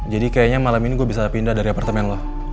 jadi kayaknya malam ini gue bisa pindah dari apartemen lo